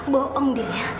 boong dia ya